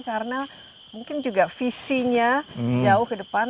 karena mungkin juga visinya jauh ke depan